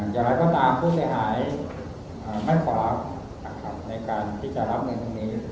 อย่างไรก็ตามผู้เสียหายไม่ขอในการที่จะรับเงินตรงนี้